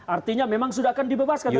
artinya memang sudah akan dibebaskan